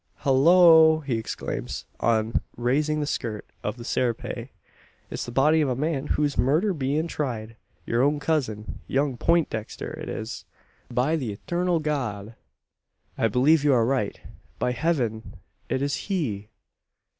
"Hullo!" he exclaims, on raising the skirt of the serape, "it's the body o' the man whose murder's bein' tried yur own cousin young Peintdexter! It is, by the Eturnal God!" "I believe you are right. By heaven it is he!"